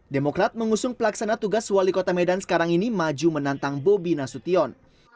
demokrat mengusung pelaksana tugas wali kota medan sekarang ini maju menantang bobi nasution